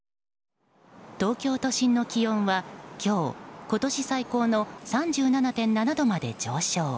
東京都心の気温は今日今年最高の３７．７度まで上昇。